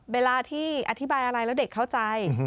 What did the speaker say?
เวลาที่อธิบายอะไรแล้วเด็กเข้าใจ